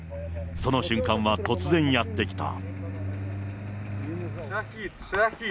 その瞬間は突然やって来た。